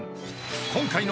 ［今回の］